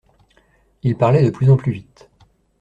Ils parlaient de plus en plus vite.